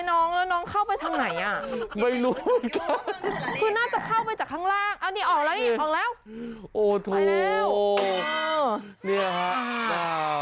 น้องแล้วน้องเข้าไปทางไหนอ่ะ